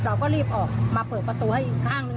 เราก็มาเปิดประตูให้ข้างนึง